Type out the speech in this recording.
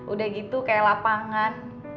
udah gitu kaya lapangan